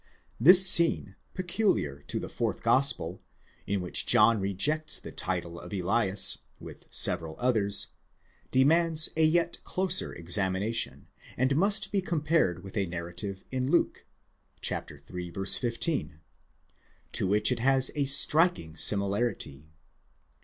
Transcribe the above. This scene, peculiar to the fourth gospel, in which John rejects the title of Elias, with several others, demands a yet closer examination, and must be compared with a narrative in Luke (iii. 15), to which it has a striking simi larity.